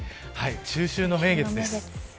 中秋の名月です。